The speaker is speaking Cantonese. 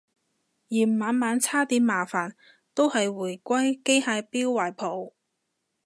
嫌晚晚叉電麻煩都係回歸機械錶懷抱